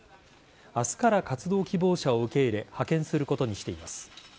明日から活動希望者を受け入れ派遣することにしています。